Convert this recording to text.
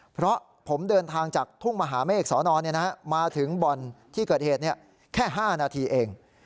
เพราะผมเดินทางจากทุ่งมหาเมฆสอนอนมาถึงบ่อนที่เกิดเหตุแค่๕นาทีเอง